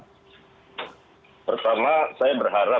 memang saya berhap imang pak firman sudah baca dan mengikuti perkembangan pembahasan